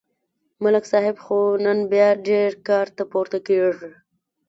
ملک صاحب خو نن بیا ډېر کار ته پورته کېږي